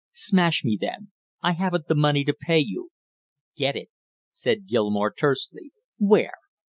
"Smash me then; I haven't the money to pay you." "Get it!" said Gilmore tersely. "Where?"